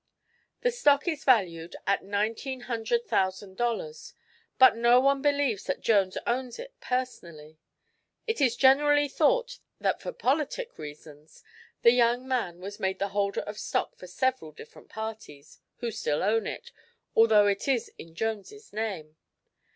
The stock is valued at nineteen hundred thousand dollars, but no one believes that Jones owns it personally. It is generally thought that for politic reasons the young man was made the holder of stock for several different parties, who still own it, although it is in Jones' name.